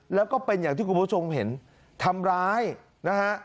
แล้วก็เป็นอย่างที่คุณผู้ชมเห็นทำร้ายนะฮะ